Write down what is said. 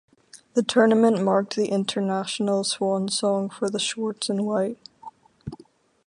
The tournament marked the international swansong for Schwarz and White.